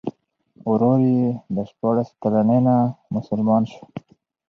ورور یې د شپاړس کلنۍ نه مسلمان شو.